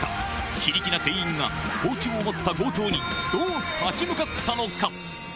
非力な店員が包丁を持った強盗に、どう立ち向かったのか。